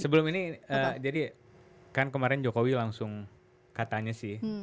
sebelum ini jadi kan kemarin jokowi langsung katanya sih